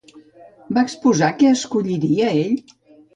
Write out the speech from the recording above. Va exposar què escolliria, ell?